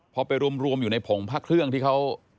พอไปรวมอยู่ในผงพระเครื่องที่เขา